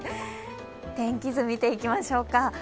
天気図、見ていきましょうか。